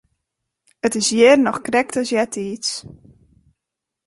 It is hjir noch krekt as eartiids.